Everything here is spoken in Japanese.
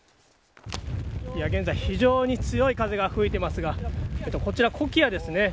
現在、非常に強い風が吹いていますがこちらはコキアですね。